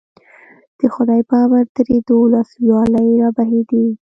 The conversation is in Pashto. د خدای په امر ترې دولس ویالې راوبهېدې.